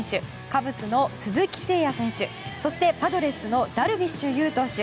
カブスの鈴木誠也選手そしてパドレスのダルビッシュ有投手。